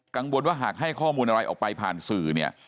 กังวลว่าหากให้ข้อมูลอะไรออกไปผ่านสื่อเนี่ย